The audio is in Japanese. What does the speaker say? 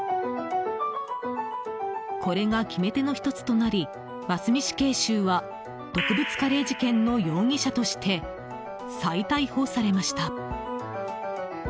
これが決め手の１つとなり真須美死刑囚は毒物カレー事件の容疑者として再逮捕されました。